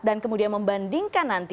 dan kemudian membandingkan nanti